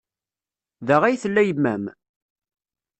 Da ay tella yemma-m?